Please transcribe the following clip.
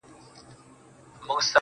ستاسي دي اوس لا د اختر مبارک سي